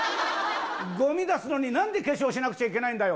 ごみ出すのに、なんで化粧しなくちゃいけないんだよ。